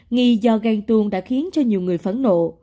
nghi do ghen tuôn đã khiến cho nhiều người phẫn nộ